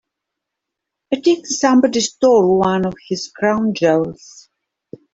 I think somebody stole one of his crown jewels.